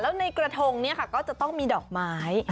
แล้วในกระทงก็จะต้องมีดอกไม้